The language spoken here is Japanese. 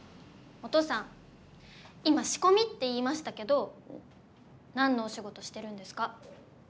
おとうさん今仕込みって言いましたけど何のお仕事してるんですか？